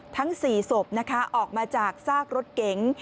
ทั้ง๔ศพนะคะออกมาจากซากรถเก๋ง